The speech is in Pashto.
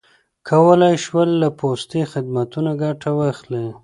کولای یې شول له پوستي خدمتونو ګټه واخلي.